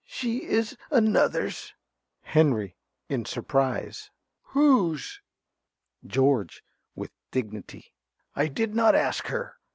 She is another's! ~Henry~ (in surprise). Whose? ~George~ (with dignity). I did not ask her.